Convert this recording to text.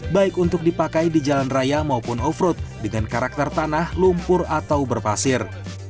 baik untuk dipakai di jalan raya maupun off road dengan karakter tanah lumpur atau berpasir